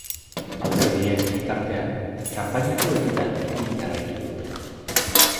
Alderdiek, bitartean, kanpainako ekitaldiekin jarraitu dute.